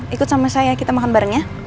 ikut sama saya kita makan bareng ya